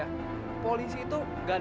satu harus lebih jauh llaki lali